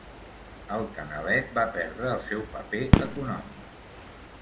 El canalet va perdre el seu paper econòmic.